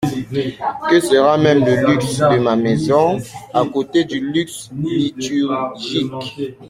Que sera même le luxe de ma maison, à côté du luxe liturgique?